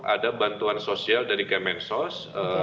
ada bantuan sosial dari kemensos